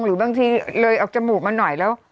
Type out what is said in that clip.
หรือบางทีเลยออกจมูกมาหน่อยแล้ว